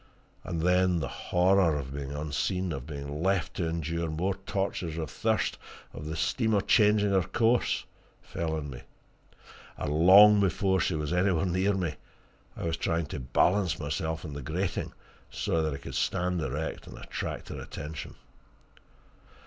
And then the horror of being unseen, of being left to endure more tortures of thirst, of the steamer changing her course, fell on me, and long before she was anywhere near me I was trying to balance myself on the grating, so that I could stand erect and attract her attention.